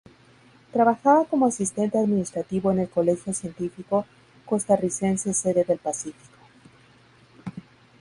Trabajaba como asistente administrativo en el Colegio Científico Costarricense Sede del Pacífico